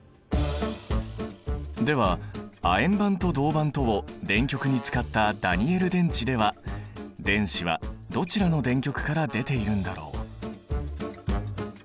では亜鉛板と銅板とを電極に使ったダニエル電池では電子はどちらの電極から出ているんだろう？